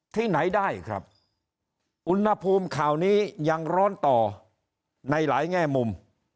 ที่ไหนได้ครับอุณหภูมิข่าวนี้ยังร้อนต่อในหลายแง่มุม